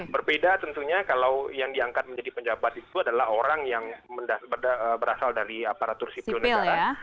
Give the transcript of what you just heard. berbeda tentunya kalau yang diangkat menjadi penjabat itu adalah orang yang berasal dari aparatur sipil negara